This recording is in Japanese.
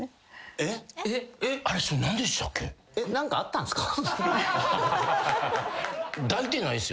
えっ何かあったんすか？